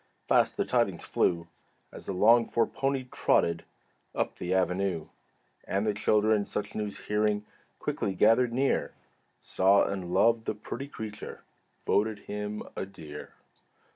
Fast the tidings flew As the longed for pony trotted Up the avenue. And the children, such news hearing, Quickly gathered near; Saw and loved the pretty creature, Voted him "a dear."